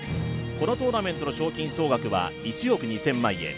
このトーナメントの賞金総額は１億２０００万円。